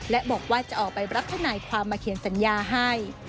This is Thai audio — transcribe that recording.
และบอกว่าจะออกไปรับทนายความมาเขียนสัญญาให้